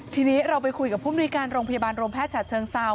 ทีนี้เราไปคุยกับผู้มนุยการโรงพยาบาลโรงแพทย์ฉัดเชิงเซา